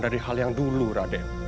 dari hal yang dulu raden